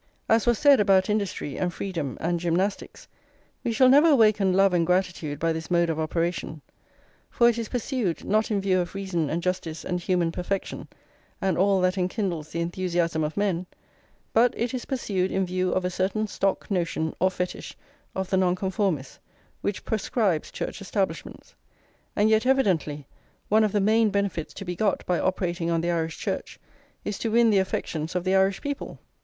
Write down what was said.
As was said about industry and freedom and gymnastics, we shall never awaken love and gratitude by this mode of operation; for it is pursued, not in view of reason and justice and human perfection and all that enkindles the enthusiasm of men, but it is pursued in view of a certain stock notion, or fetish, of the Nonconformists, which proscribes Church establishments. And yet, evidently, one of the main benefits to be got by operating on the Irish Church is to win the affections of the Irish people.